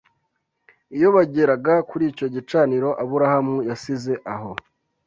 iyo bageraga kuri icyo gicaniro Aburahamu yasize aho